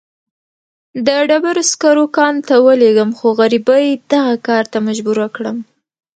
د ډبرو سکرو کان ته ولېږم، خو غريبۍ دغه کار ته مجبوره کړمه.